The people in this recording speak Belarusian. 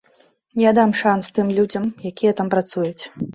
Я дам шанс тым людзям, якія там працуюць.